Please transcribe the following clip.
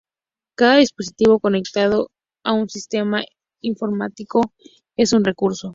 Cada dispositivo conectado a un sistema informático es un recurso.